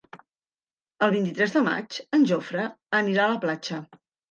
El vint-i-tres de maig en Jofre anirà a la platja.